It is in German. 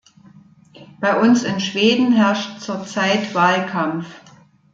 Bei uns in Schweden herrscht zurzeit Wahlkampf.